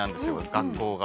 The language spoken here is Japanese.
学校が。